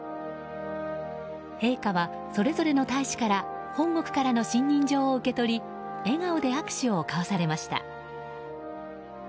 陛下はそれぞれの大使から本国からの信任状を受け取り笑顔で握手を交わされました。